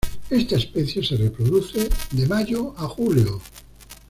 Esta especie se reproduce de mayo a julio.